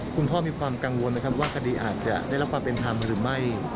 คุณพ่อมีความกังวลไหมครับว่าคดีอาจจะได้รับความเป็นธรรมหรือไม่